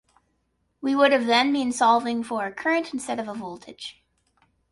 We would have then been solving for a current instead of a voltage.